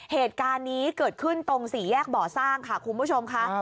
เหตุการณ์นี้เกิดขึ้นตรงสี่แยกบ่อสร้างค่ะคุณผู้ชมค่ะ